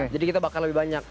jadi kita bakal lebih banyak